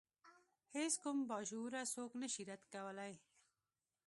هیڅ کوم باشعوره څوک نشي رد کولای.